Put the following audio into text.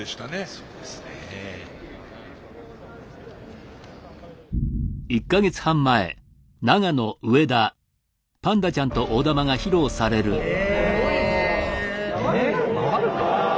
そうですね。え。